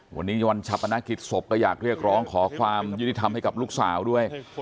วันนี้วันชาปนกิจศพก็อยากเรียกร้องขอความยุติธรรมให้กับลูกสาวด้วย